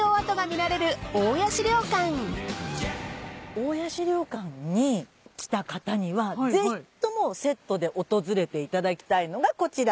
大谷資料館に来た方にはぜひともセットで訪れていただきたいのがこちら。